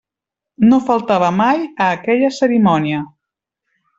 No faltava mai a aquella cerimònia.